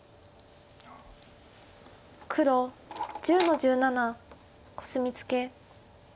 黒１０の十七コスミツケ。